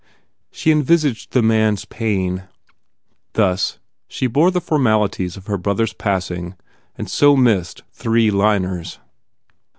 She envisaged the man s pain. Thus, she bore the formalities of her brother s passing and so missed three liners.